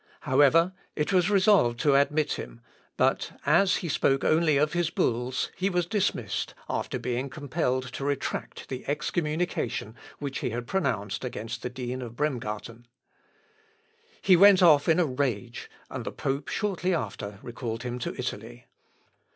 However, it was resolved to admit him; but as he spoke only of his bulls he was dismissed, after being compelled to retract the excommunication which he had pronounced against the dean of Bremgarton. He went off in a rage, and the pope shortly after recalled him to Italy.